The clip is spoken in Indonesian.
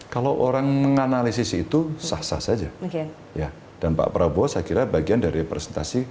kalau orang menganalisis itu sah sah saja dan pak prabowo saya kira bagian dari representasi